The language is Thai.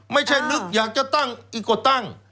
ไม่ใช่นึกอยากจะตั้งอีกกว่าตั้ง